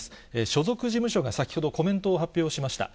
所属事務所が先ほど、コメントを発表しました。